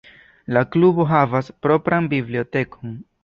La klubo havas propran bibliotekon.